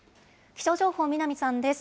気象情報、南さんです。